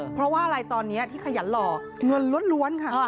เพราะว่าอะไรตอนนี้ที่ขยันหล่อเงินล้วนค่ะ